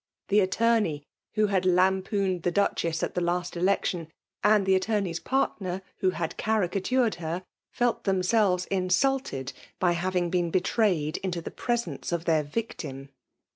The attorney who had lampooned the Duchess at the last eleetiotfi and the attorney*s partner who had caricatiiired her, felt themselves insulted by having bee» betrayed into the presence of their victim.